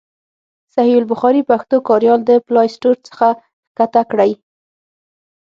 صحیح البخاري پښتو کاریال د پلای سټور څخه کښته کړئ.